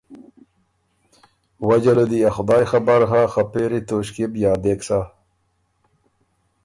وجه له دی ا خدایٛ خبر هۀ خه پېری توݭکيې بو یادېک سَۀ۔